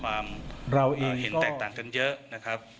เราเองเห็นแตกต่างกันเยอะนะครับ